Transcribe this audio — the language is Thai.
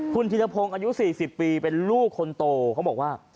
คุณธิรพงศ์อายุ๔๐ปีเป็นลูกคนโตเขาบอกว่า